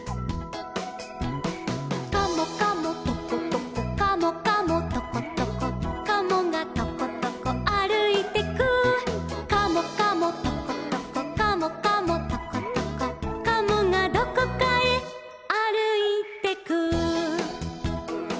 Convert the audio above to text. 「カモカモトコトコカモカモトコトコ」「カモがトコトコあるいてく」「カモカモトコトコカモカモトコトコ」「カモがどこかへあるいてく」